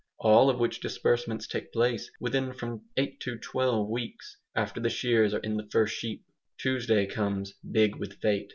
All of which disbursements take place within from eight to twelve weeks after the shears are in the first sheep. Tuesday comes "big with fate."